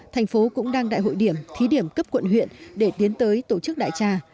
thành phố cũng đang đại hội điểm thí điểm cấp quận huyện để tiến tới tổ chức đại tra